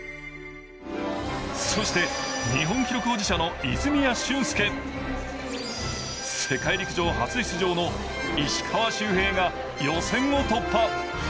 そして、日本記録保持者の泉谷駿介世界陸上初出場の石川周平が予選を突破。